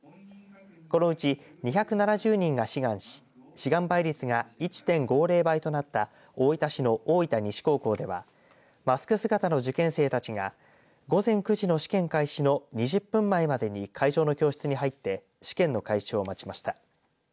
このうち２７０人が志願し志願倍率が１．５０倍となった大分市の大分西高校ではマスク姿の受験生たちが午前９時の試験開始の２０分前までに会場の教室に入って試験の開始を待ちました。